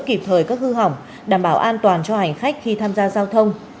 kịp thời các hư hỏng đảm bảo an toàn cho hành khách khi tham gia giao thông